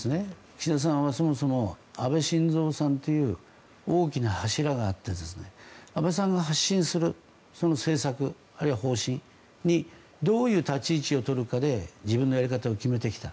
岸田さんはそもそも安倍晋三さんという大きな柱があって安倍さんが発信するその政策、あるいは方針にどういう立ち位置をとるかで自分のやり方を決めてきた。